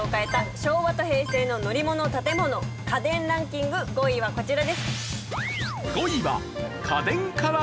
昭和と平成の乗り物・建物・家電ランキング５位はこちらです。